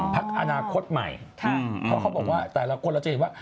พักอนาคตใหม่เพราะเขาบอกว่าแต่ละคนเราจะเห็นว่า